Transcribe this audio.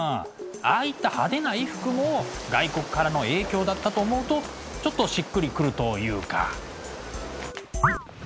ああいった派手な衣服も外国からの影響だったと思うとちょっとしっくり来るというか。